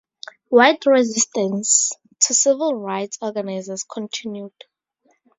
White resistance to civil rights organizers continued.